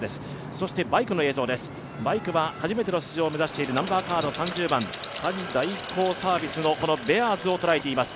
そしてバイクの映像です、バイクは初めての出場を目指している３０番、家事代行サービスのベアーズをとらえています。